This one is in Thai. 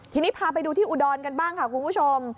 ทีนี้พาไปดูที่อุดรกันบ้างค่ะคุณผู้ชม